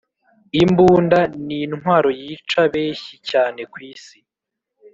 imbunda ni ntwaro yica beshyi cyane kwi si